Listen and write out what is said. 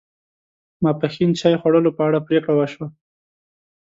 ماپښین چای خوړلو په اړه پرېکړه و شوه.